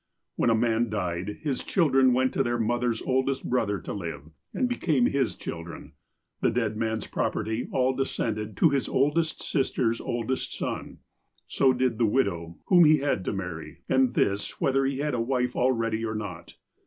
When a man died, his children went to their mother's oldest brother to live, and became his children. The dead man's property all descended to his oldest sister's oldest son. So did the widow, whom he had to marry, and this whether he had a wife already or not.